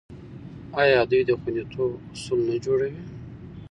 آیا دوی د خوندیتوب اصول نه جوړوي؟